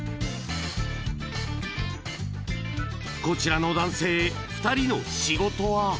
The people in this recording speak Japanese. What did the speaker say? ［こちらの男性２人の仕事は］